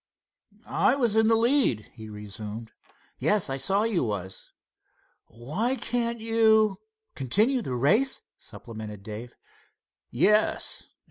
"I was in the lead," he resumed. "I saw you was." "Why can't you——" "Continue the race?" supplemented Dave. "Yes."